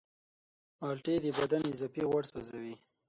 مالټې د بدن اضافي غوړ سوځوي.